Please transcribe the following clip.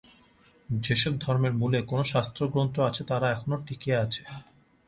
যে-সব ধর্মের মূলে কোন শাস্ত্রগ্রন্থ আছে, তাহারা এখনও টিকিয়া আছে।